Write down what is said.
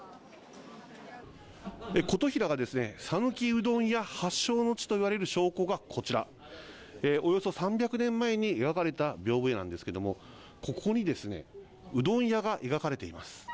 琴平がさぬきうどん屋発祥の地と言われる根拠がこちら、およそ３００年前に描かれたびょう風絵なんですけれども、ここにうどん屋が描かれています。